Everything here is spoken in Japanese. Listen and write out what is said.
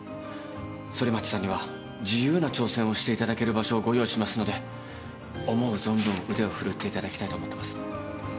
ソリマチさんには自由な挑戦をしていただける場所をご用意しますので思う存分腕を振るっていただきたいと思ってます。